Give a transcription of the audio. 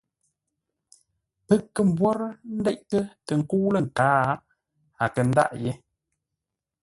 Pə́ kə̂ mbwórə́ ndéitə́ tə nkə́u lə̂ nkǎa, a kə̂ ndâʼ yé.